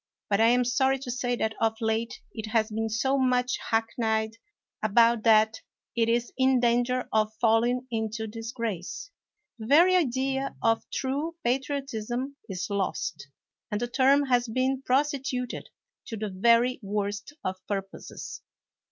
But I am sorry to say that of late it has been so much hackneyed about that it is in danger of fall ing into disgrace. The very idea of true patriot ism is lost, and the term has been prostituted to the very worst of purposes.